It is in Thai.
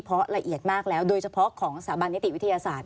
เพราะละเอียดมากแล้วโดยเฉพาะของสถาบันนิติวิทยาศาสตร์